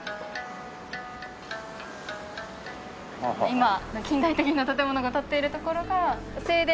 今近代的な建物が立っている所が正殿で。